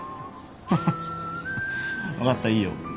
ハハ分かったいいよ。